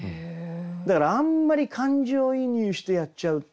だからあんまり感情移入してやっちゃうと。